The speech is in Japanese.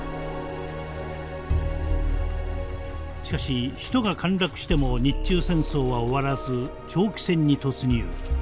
しかし首都が陥落しても日中戦争は終わらず長期戦に突入。